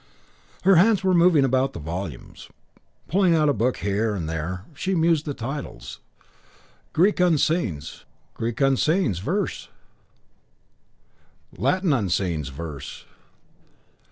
Her hands were moving about the volumes, pulling out a book here and there; she mused the titles. "'Greek Unseens Prose'; 'Greek Unseens Verse'; 'Latin Unseens Verse.'